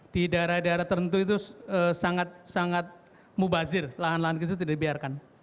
di daerah daerah tertentu itu sangat sangat mubazir lahan lahan ke situ tidak dibiarkan